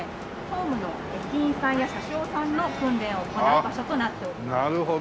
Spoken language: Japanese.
ホームの駅員さんや車掌さんの訓練を行う場所となっております。